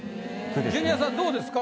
ジュニアさんどうですか？